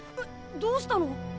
どうしたの？